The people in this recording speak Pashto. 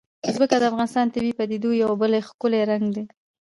ځمکه د افغانستان د طبیعي پدیدو یو بل ښکلی رنګ دی.